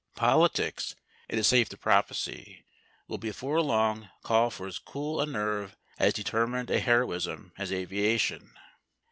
Politics, it is safe to prophesy, will before long call for as cool a nerve, as determined a heroism, as aviation.